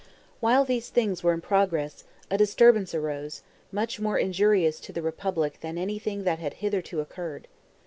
While these things were in progress, a disturbance arose, much more injurious to the republic than anything that had hitherto occurred.